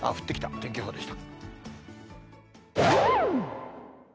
天気予報でした。